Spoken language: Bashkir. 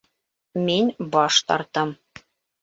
Мин баш тартам.